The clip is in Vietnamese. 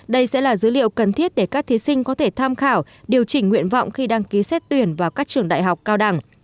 đây sẽ là dữ liệu cần thiết để các thí sinh có thể tham khảo điều chỉnh nguyện vọng khi đăng ký xét tuyển vào các trường đại học cao đẳng